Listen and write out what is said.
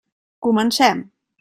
Comencem.